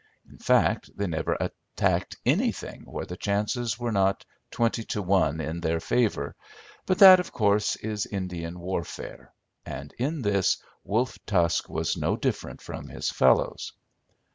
In fact, they never attacked anything where the chances were not twenty to one in their favour, but that, of course, is Indian warfare; and in this, Wolf Tusk was no different from his fellows.